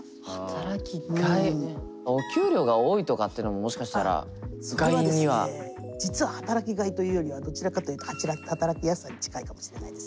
お給料が多いとかってのももしかしたら「がい」には。そこがですね実は働きがいというよりはどちらかというと働きやすさに近いかもしれないですね。